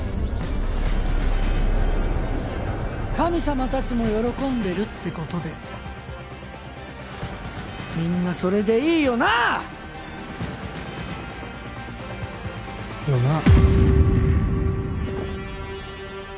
神様たちも喜んでるって事でみんなそれでいいよな！？よな？